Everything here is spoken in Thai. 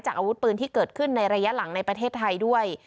อาวุธปืนที่เกิดขึ้นในระยะหลังในประเทศไทยด้วย